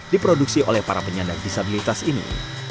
diproduksi oleh para penyandang disabilitas ini